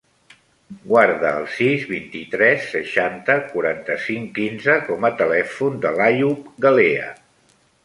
Guarda el sis, vint-i-tres, seixanta, quaranta-cinc, quinze com a telèfon de l'Àyoub Galea.